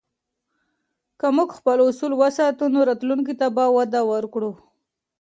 که موږ خپل اصول وساتو، نو راتلونکي ته به وده ورکوو.